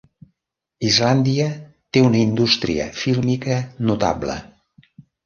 Islàndia té una indústria fílmica notable.